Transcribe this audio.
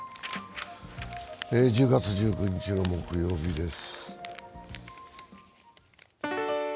１０月１９日の木曜日です。